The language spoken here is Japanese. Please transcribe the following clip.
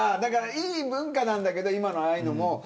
いい文化なんだけど今の、ああいうのも。